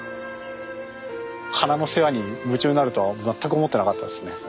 花の世話に夢中になるとは全く思ってなかったですね。